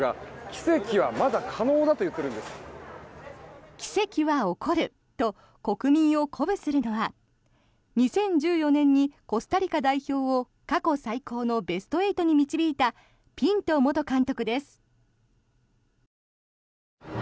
奇跡は起こると国民を鼓舞するのは２０１４年にコスタリカ代表を過去最高のベスト８に導いたピント元監督です。